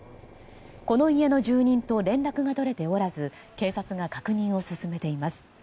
この家の住人と連絡が取れておらず警察が確認を進めています。